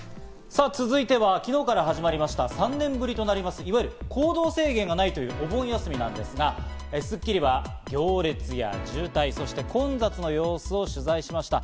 さぁ、続いては昨日から始まりました、３年ぶりとなります、いわゆる行動制限がないというお盆休みなんですが、『スッキリ』は行列や渋滞、そして混雑の様子を取材しました。